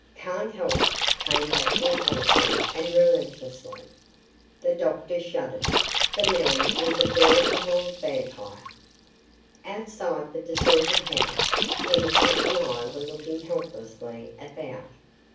"Can't help it," came back laconically and relentlessly. The doctor shuddered. The man was a veritable vampire! ........ Outside the deserted house, Kennedy and I were looking helplessly about.